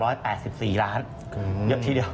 เยี่ยมทีเดียว